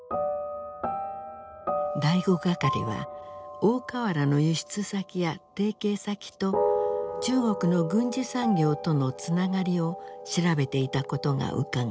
第五係は大川原の輸出先や提携先と中国の軍需産業とのつながりを調べていたことがうかがえる。